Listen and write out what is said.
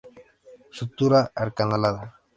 Sutura acanalada.